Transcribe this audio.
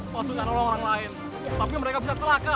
masukkan kenangan orang lain tapi mereka bisa telaka